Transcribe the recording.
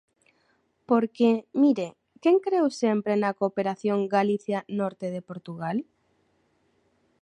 Porque mire, ¿quen creu sempre na cooperación Galicia-norte de Portugal?